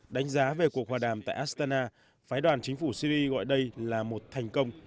đánh giá về cuộc hòa đàm tại astana phái đoàn chính phủ syri gọi đây là một thành công